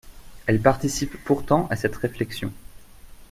Elle participe pourtant à cette réflexion.